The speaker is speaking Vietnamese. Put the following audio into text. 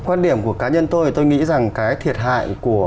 quan điểm của cá nhân tôi thì tôi nghĩ rằng cái thiệt hại của